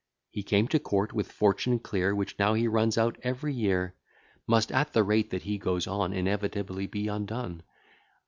He came to court with fortune clear, Which now he runs out every year; Must, at the rate that he goes on, Inevitably be undone: O!